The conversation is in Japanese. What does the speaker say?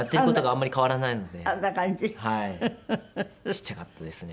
ちっちゃかったですね。